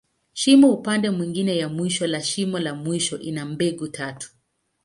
Shimo upande mwingine ya mwisho la shimo la mwisho, ina mbegu tatu.